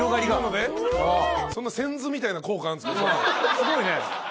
すごいね。